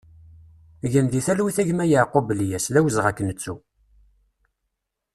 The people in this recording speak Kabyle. Gen di talwit a gma Yakub Lyas, d awezɣi ad k-nettu!